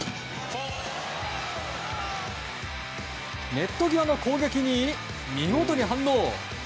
ネット際の攻撃に見事に反応。